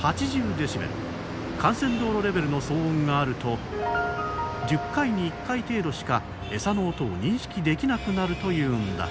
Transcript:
デシベル幹線道路レベルの騒音があると１０回に１回程度しかエサの音を認識できなくなるというんだ。